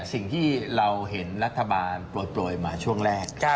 สิ่งที่เราเห็นรัฐบาลโปรยมาช่วงแรก